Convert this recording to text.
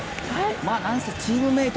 何せチームメート。